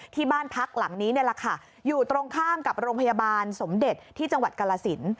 ที่บ้านพักหลังนี้นี่แหละค่ะอยู่ตรงข้ามกับโรงพยาบาลสมเด็จที่จังหวัดกาลสิน